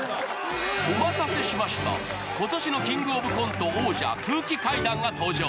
お待たせしました、今年のキングオブコント王者、空気階段が登場。